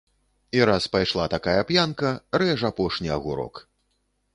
І раз пайшла такая п'янка, рэж апошні агурок.